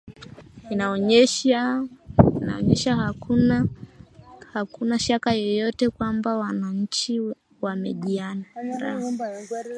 inaonyesha hakuna shaka yoyote kwamba wananchi wamejiandaa